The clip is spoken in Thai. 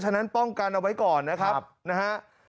ฉะนั้นป้องกันเอาไว้ก่อนนะครับนะฮะ